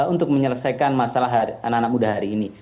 untuk menyelesaikan masalah anak anak muda hari ini